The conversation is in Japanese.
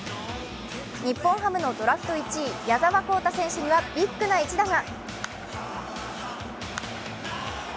日本ハムのドラフト１位、矢澤宏太選手にはビッグな一打が。